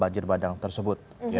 banjir bandang tersebut